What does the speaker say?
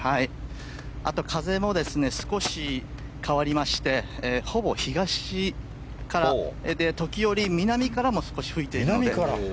あと風も少し変わりましてほぼ東からで時折南からも少し吹いている。